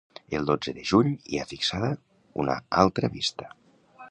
El dotze de juny hi ha fixada una altra vista.